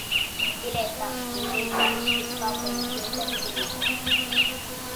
Diletta invece si scopre incinta di Filippo.